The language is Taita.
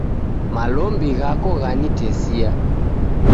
Malombi ghako ghanitesia.